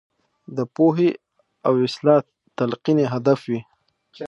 د پوهې او اصلاح تلقین یې هدف وي.